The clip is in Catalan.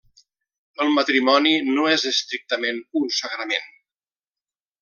El matrimoni no és estrictament un sagrament.